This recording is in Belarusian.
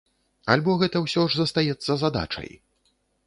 Альбо гэта ўсё ж застаецца задачай?